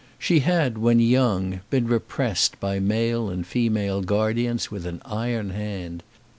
She had, when young, been repressed by male and female guardians with an iron hand.